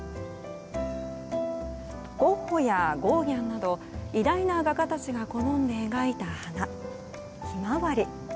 ゴッホやゴーギャンなど偉大な画家たちが好んで描いた花ヒマワリ。